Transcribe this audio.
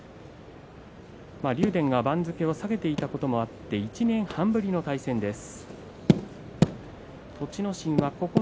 竜電が番付を下げていたこともあって１年半ぶりの対戦です。